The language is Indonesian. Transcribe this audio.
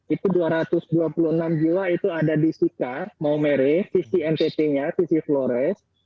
itu dua ratus dua puluh enam jiwa itu ada di sika maumere sisi ntt nya sisi flores